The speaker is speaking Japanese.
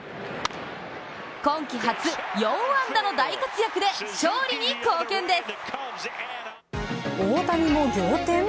今季初、４安打の大活躍で勝利に貢献です。